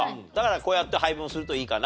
こうやって配分するといいかな。